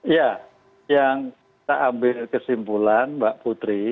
ya yang kita ambil kesimpulan mbak putri